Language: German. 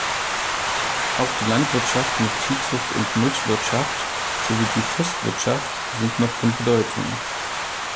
Auch die Landwirtschaft mit Viehzucht und Milchwirtschaft sowie die Forstwirtschaft sind noch von Bedeutung.